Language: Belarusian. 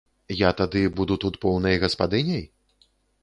Я тады буду тут поўнай гаспадыняй?